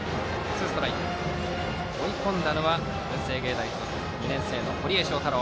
追い込んだのは文星芸大付属２年生の堀江正太郎。